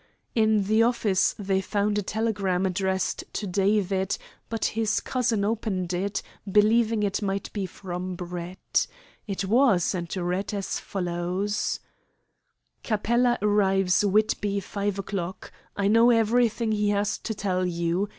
In the office they found a telegram addressed to David, but his cousin opened it, believing it might be from Brett. It was, and read as follows: "Capella arrives Whitby five o'clock. I know everything he has to tell you.